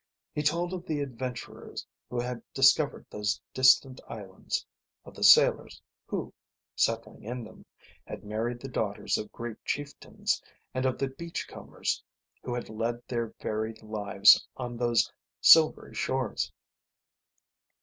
He told of the adventurers who had discovered those distant islands, of the sailors who, settling in them, had married the daughters of great chieftains, and of the beach combers who had led their varied lives on those silvery shores.